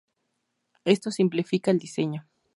Esto simplifica el diseño.